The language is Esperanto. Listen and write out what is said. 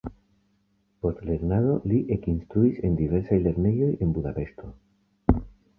Post lernado li ekinstruis en diversaj lernejoj en Budapeŝto.